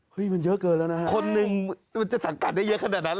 เฮ่ยมันเยอะเกินแล้วนะครับคนหนึ่งจะสังกัดได้เยอะขนาดนั้นเลยเหรอ